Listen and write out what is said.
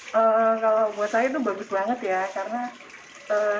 kalau buat saya itu bagus banget ya